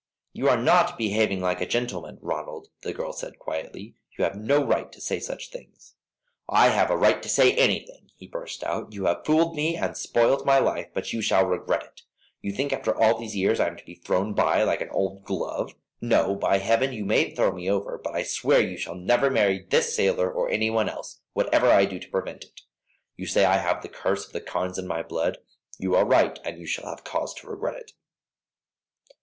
"You are not behaving like a gentleman, Ronald," the girl said, quietly. "You have no right to say such things." "I have a right to say anything," he burst out. "You have fooled me and spoilt my life, but you shall regret it. You think after all these years I am to be thrown by like an old glove. No, by Heaven; you may throw me over, but I swear you shall never marry this sailor or any one else, whatever I do to prevent it. You say I have the curse of the Carnes in my blood. You are right, and you shall have cause to regret it."